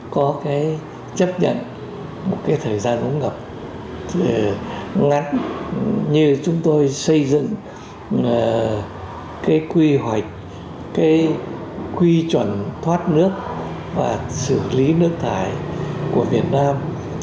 có cái chấp nhận một cái thời gian ngập ngắn như chúng tôi xây dựng cái quy hoạch cái quy chuẩn thoát nước và xử lý nước thải của việt nam